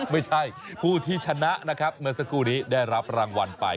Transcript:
ไม่ใช่ผู้ที่ชนะนะครับเมื่อสักครู่นี้ได้รับรางวัลไป